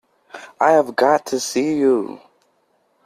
I have got to see you.